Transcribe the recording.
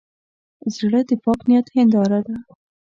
زړه د پاک نیت هنداره ده.